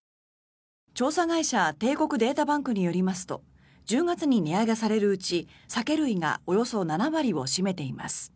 調査会社帝国データバンクによりますと１０月に値上げされるうち酒類がおよそ７割を占めています。